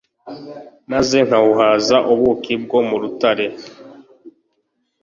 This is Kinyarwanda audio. maze nkawuhaza ubuki bwo mu rutare